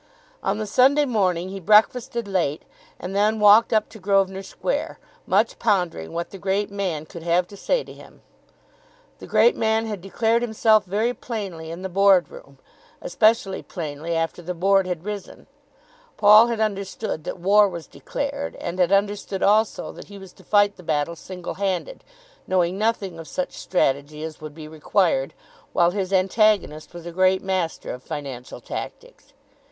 On the Sunday morning he breakfasted late and then walked up to Grosvenor Square, much pondering what the great man could have to say to him. The great man had declared himself very plainly in the Board room, especially plainly after the Board had risen. Paul had understood that war was declared, and had understood also that he was to fight the battle single handed, knowing nothing of such strategy as would be required, while his antagonist was a great master of financial tactics.